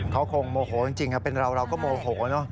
เขาคงโมโหจริงเป็นเราเราก็โมโหเนอะ